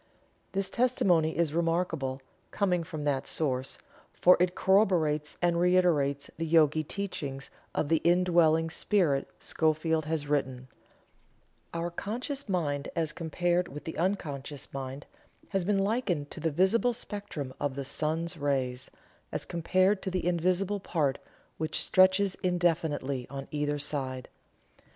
This testimony is remarkable, coming from that source, for it corroborates and reiterates the Yogi teachings of the Indwelling Spirit Schofield has written: "Our conscious mind as compared with the unconscious mind, has been likened to the visible spectrum of the sun's rays, as compared to the invisible part which stretches indefinitely on either side.